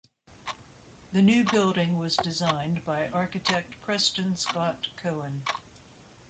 The new building was designed by architect Preston Scott Cohen.